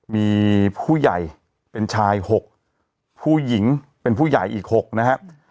มีผู้ใหญ่เป็นชาย๖ผู้หญิงเป็นผู้ใหญ่อีก๖นะครับ